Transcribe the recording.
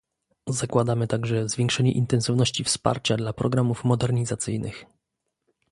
Zakładamy także zwiększenie intensywności wsparcia dla programów modernizacyjnych